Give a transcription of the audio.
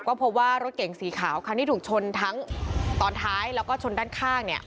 ก็พบว่ารถเก่งสีขาวคันที่ถูกชนทั้งตอนท้ายแล้วก็ชนด้านข้างเนี่ย